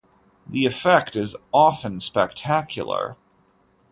The effect is often spectacular.